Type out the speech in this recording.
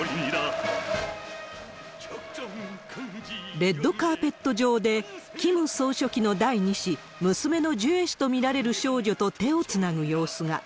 レッドカーペット上で、キム総書記の第２子、娘のジュエ氏と見られる少女と手をつなぐ様子が。